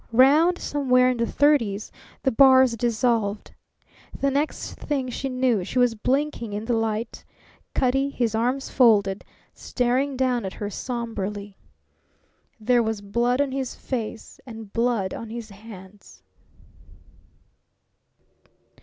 Round somewhere in the thirties the bars dissolved. The next thing she knew she was blinking in the light, Cutty, his arms folded, staring down at her sombrely. There was blood on his face and blood on his hands.